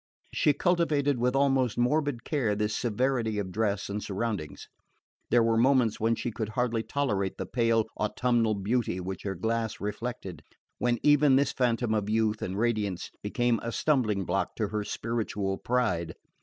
She cultivated with almost morbid care this severity of dress and surroundings. There were moments when she could hardly tolerate the pale autumnal beauty which her glass reflected, when even this phantom of youth and radiance became a stumbling block to her spiritual pride.